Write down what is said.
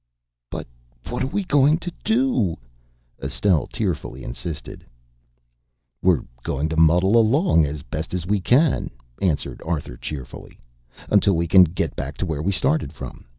"But what are we going to do?" Estelle tearfully insisted. "We're going to muddle along as well as we can," answered Arthur cheerfully, "until we can get back to where we started from.